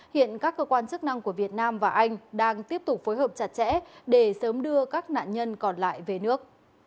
hiện các cơ quan chức năng của việt nam và anh đang tiếp tục phối hợp chặt chẽ để sớm đưa các nạn nhân còn lại về nước